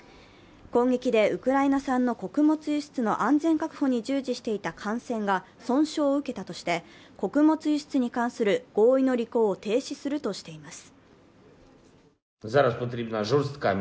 攻撃でウクライナ産の穀物輸出の安全確保に従事していた艦船が損傷を受けたとして穀物輸出に関する合意の履行を停止するとしています。